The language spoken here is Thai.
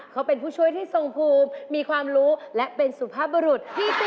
เขาเป็นผู้ช่วยที่ทรงภูมิมีความรู้และเป็นสุภาพบรุษที่สุด